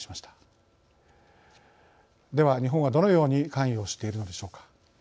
では日本はどのように関与しているのでしょうか。